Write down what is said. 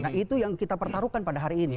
nah itu yang kita pertaruhkan pada hari ini